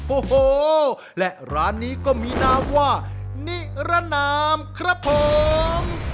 โอ้โหและร้านนี้ก็มีนามว่านิรนามครับผม